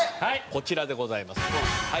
こちらでございます。